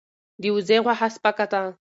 د وزې غوښه سپکه ده.